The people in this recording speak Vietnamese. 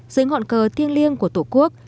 dưới ngọn cờ thiêng liêng của tổ quốc